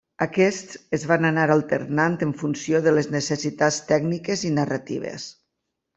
Aquests es van anar alternant en funció de les necessitats tècniques i narratives.